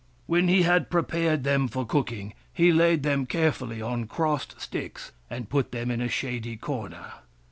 When he had prepared them for cooking, he laid them carefully on crossed sticks and put them in a shady corner.